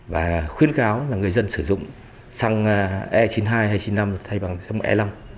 và khuyến cáo là người dân sử dụng xăng e chín mươi hai hay chín mươi năm thay bằng xăng e năm